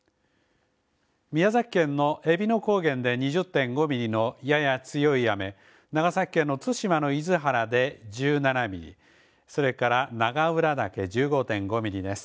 宮崎県のえびの高原で２０．．５ミリのやや強い雨、長崎県の対馬の厳原で１７ミリ、それから長浦岳１５．５ミリです。